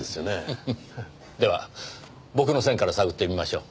フフフでは僕の線から探ってみましょう。